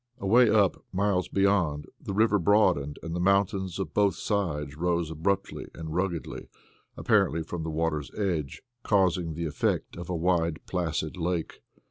Away up, miles beyond, the river broadened and the mountains of both sides rose abruptly and ruggedly, apparently from the water's edge, causing the effect of a wide, placid lake.